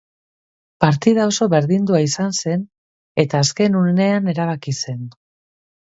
Partida oso berdindua izan zen eta azken unean erabaki zen.